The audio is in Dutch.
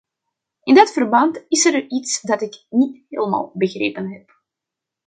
In dat verband is er iets dat ik niet helemaal begrepen heb.